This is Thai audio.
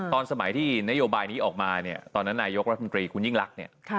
ตอนสมัยที่นโยบายนี้ออกมาเนี่ยตอนนั้นนายกรัฐมนตรีคุณยิ่งลักษณ์เนี่ย